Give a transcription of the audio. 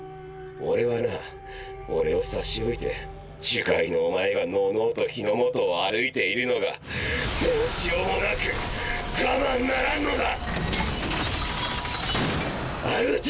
俺はな俺を差し置いて呪骸のお前がのうのうと日の下を歩いているのがどうしようもなく我慢ならんのだ！